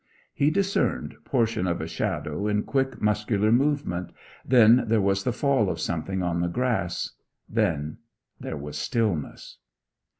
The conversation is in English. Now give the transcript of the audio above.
He discerned portion of a shadow in quick muscular movement; then there was the fall of something on the grass; then there was stillness.